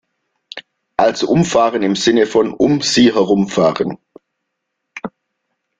Also umfahren im Sinne von "um sie herumfahren".